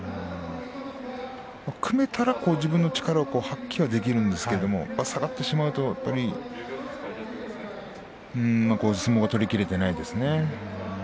組めから自分の力を発揮はできるんですが下がってしまうと、やっぱり相撲が取りきれていないですね。